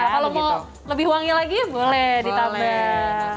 kalau mau lebih wangi lagi boleh ditambah